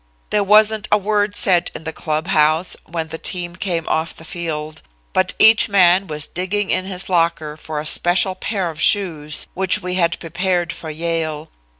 There wasn't a word said in the club house when the team came off the field, but each man was digging in his locker for a special pair of shoes, which we had prepared for Yale.